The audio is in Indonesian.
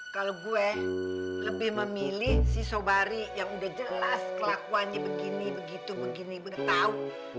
kalau gue lebih memilih si sobari yang udah jelas kelakuannya begini begitu begini tahu